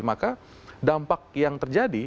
maka dampak yang terjadi